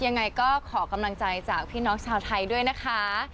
ยังไงก็ขอกำลังใจจากพี่น้องชาวไทยด้วยนะคะ